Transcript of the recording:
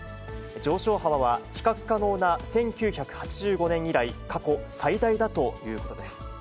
上昇幅は、比較可能な１９８５年以来、過去最大だということです。